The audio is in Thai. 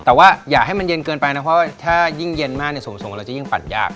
แต่ว่าอย่าให้มันเย็นเกินไปนะเพราะว่าถ้ายิ่งเย็นมากสูงเราจะยิ่งปั่นยาก